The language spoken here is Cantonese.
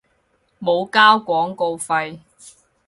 冇交廣告費